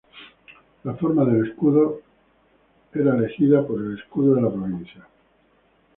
La forma del escudo fue elegida por el escudo de la provincia.